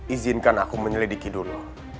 izinkan aku menyelidiki dulu